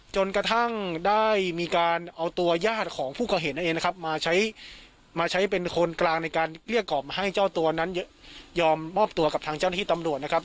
จนกระทั่งได้มีการเอาตัวญาติของผู้ก่อเหตุนั่นเองนะครับมาใช้มาใช้เป็นคนกลางในการเกลี้ยกล่อมให้เจ้าตัวนั้นยอมมอบตัวกับทางเจ้าหน้าที่ตำรวจนะครับ